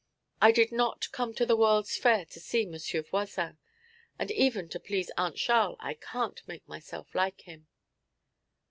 I did not come to the World's Fair to see M. Voisin, and even to please Aunt Charl I can't make myself like him.'